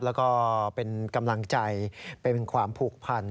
แล้วก็เป็นกำลังใจเป็นความผูกพัน